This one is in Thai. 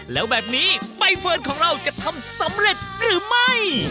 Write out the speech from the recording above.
แล้วแบบนี้ใบเฟิร์นของเราจะทำสำเร็จหรือไม่